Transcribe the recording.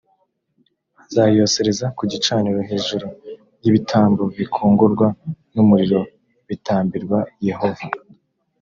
azayosereze ku gicaniro hejuru y’ibitambo bikongorwa n’umuriro bitambirwa yehova